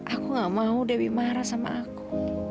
aku gak mau dewi marah sama aku